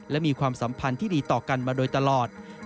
และมีความสัมพันธ์ที่ดีต่อกันมาโดยตลอด